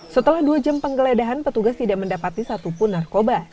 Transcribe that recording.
setelah dua jam penggeledahan petugas tidak mendapati satupun narkoba